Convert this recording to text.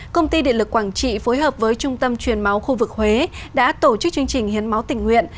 công ty điện lực quảng trị phối hợp với trung tâm truyền máu khu vực huế đã tổ chức chương trình hiến máu tình nguyện